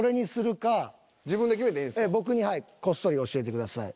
じゃあ僕にこっそり教えてください。